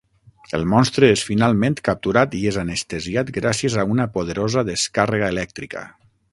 El monstre és finalment capturat i és anestesiat gràcies a una poderosa descàrrega elèctrica.